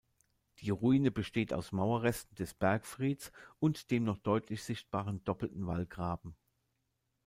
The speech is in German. Die Ruine besteht aus Mauerresten des Bergfrieds und dem noch deutlich sichtbaren doppelten Wallgraben.